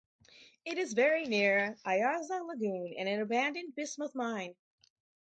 It is very near Ayarza Lagoon and an abandoned bismuth mine.